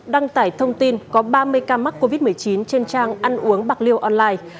đăng tải thông tin có ba mươi ca mắc covid một mươi chín trên trang ăn uống bạc liêu online